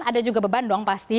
ada juga beban dong pasti